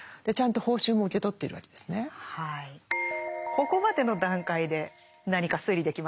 ここまでの段階で何か推理できますか？